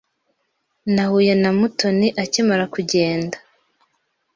Nahuye na Mutoni akimara kugenda.